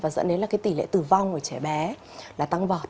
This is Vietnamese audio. dẫn đến là cái tỷ lệ tử vong của trẻ bé là tăng vọt